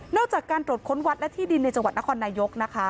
จากการตรวจค้นวัดและที่ดินในจังหวัดนครนายกนะคะ